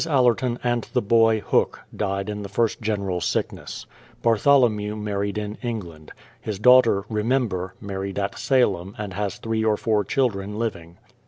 AUerton, and the boy. Hook, died in the first general sickness. Bartholomew married in England. His daughter. Remember, married at Salem and has three or four cliildren living.